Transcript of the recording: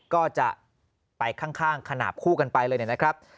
ก็จะไปข้างขนาดคู่กันไปเลยนะครับ